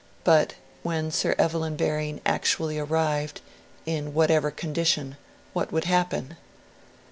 But, when Sir Evelyn Baring actually arrived in whatever condition what would happen?